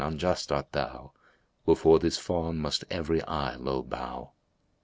unjust art thou; * Before this fawn must every eye low bow."